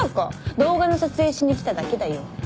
動画の撮影しに来ただけだよ。